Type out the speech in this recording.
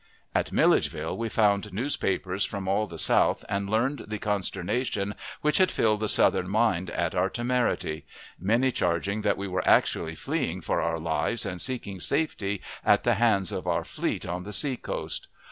At Milledgeville we found newspapers from all the South, and learned the consternation which had filled the Southern mind at our temerity; many charging that we were actually fleeing for our lives and seeking safety at the hands of our fleet on the sea coast.